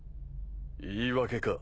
言い訳か。